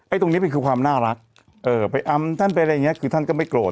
ตรงนี้มันคือความน่ารักเออไปอำท่านไปอะไรอย่างเงี้คือท่านก็ไม่โกรธ